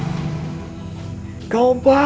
tidak opa kalau dia nikah sama kamu